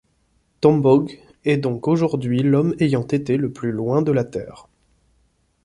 Tombaugh est donc aujourd'hui l'homme ayant été le plus loin de la Terre.